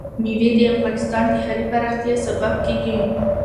مېوې د افغانستان د ښاري پراختیا سبب کېږي.